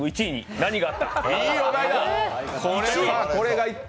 何があった？